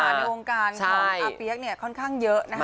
คือลูกศิลปินหลวงการของเอาเปี๊ยกค่อนข้างเยอะนะครับ